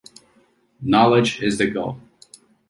Knowledge is the goal.